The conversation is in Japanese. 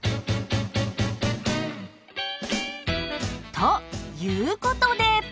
ということで！